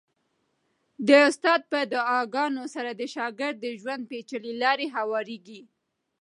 د استاد په دعاګانو سره د شاګرد د ژوند پېچلې لارې هوارېږي.